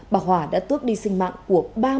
bà hỏa đã tước đi vào cầu giấy hà nội